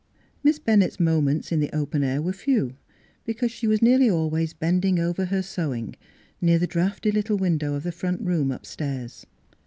Miss Bennett's moments in the open air were few, because she was nearly al ways bending over her sewing near the draughty little window of the front room upstairs.